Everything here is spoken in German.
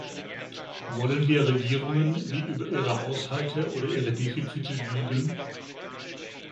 Wollen wir Regierungen, die über ihre Haushalte oder ihre Defizite lügen?